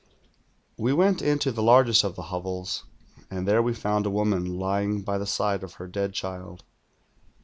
"We went into the largest of the hovels, and thei'o we foimd a woman lying by the side of her dead child.